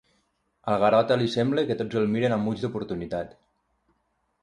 Al Garota li sembla que tots el miren amb ulls d'oportunitat.